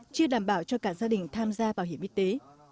chưa đảm bảo cho cả gia đình tham gia bảo hiểm y tế